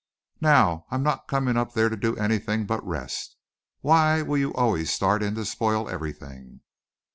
Now I'm not coming up there to do anything but rest. Why will you always start in to spoil everything?"